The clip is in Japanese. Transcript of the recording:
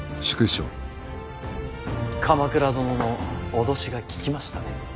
鎌倉殿の脅しが効きましたね。